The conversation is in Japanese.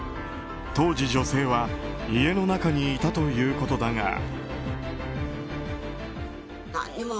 当時、女性は家の中にいたということだが。